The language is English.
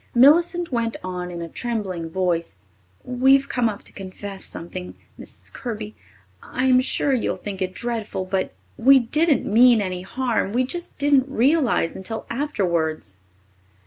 Millicent went on in a trembling voice. "We've come up to confess something, Mrs. Kirby. I'm sure you'll think it dreadful, but we didn't mean any harm. We just didn't realize, until afterwards."